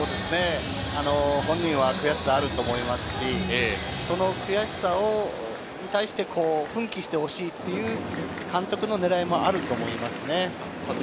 本人は悔しさあると思いますし、その悔しさに対して奮起してほしいっていう監督の狙いもあると思いますね。